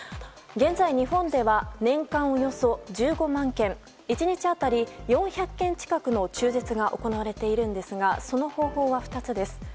現在、日本では年間およそ１５万件１日当たり４００件近くの中絶が行われているんですがその方法は２つです。